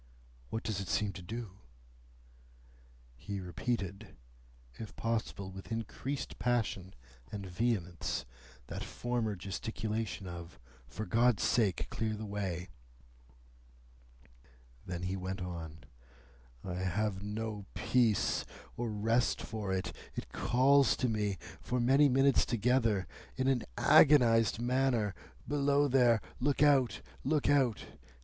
"What does it seem to do?" He repeated, if possible with increased passion and vehemence, that former gesticulation of, "For God's sake, clear the way!" Then he went on. "I have no peace or rest for it. It calls to me, for many minutes together, in an agonised manner, 'Below there! Look out! Look out!